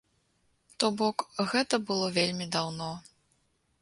То бок, гэта было вельмі даўно.